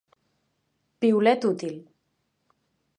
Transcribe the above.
Piolet útil.